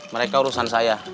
mereka urusan saya